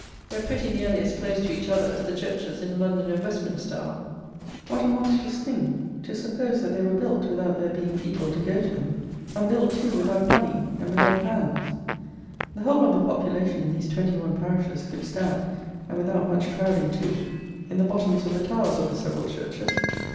They are pretty nearly as close to each other as the churches in London and Westminster are. What a monstrous thing, to suppose that they were built without there being people to go to them; and built, too, without money and without hands! The whole of the population in these twenty one parishes could stand, and without much crowding too, in the bottoms of the towers of the several churches.